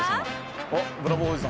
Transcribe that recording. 「おっブラボーおじさん」